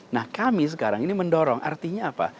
nah kami sekarang ini mendorong artinya apa